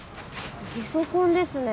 ゲソ痕ですね。